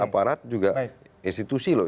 aparat juga institusi loh